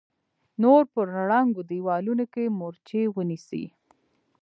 نور په ړنګو دېوالونو کې مورچې ونيسئ!